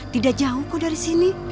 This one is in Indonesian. tidak jauh ku dari sini